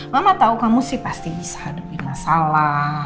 mama tahu kamu sih pasti bisa hadapi masalah